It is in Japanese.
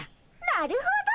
なるほど！